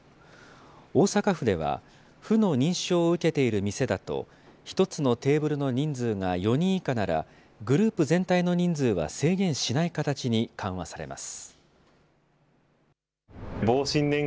大阪府では、府の認証を受けている店だと、１つのテーブルの人数が４人以下なら、グループ全体の人数は制限しない形に緩和されます。